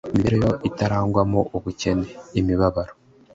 imibereho itarangwamo ubukene, imibabaro,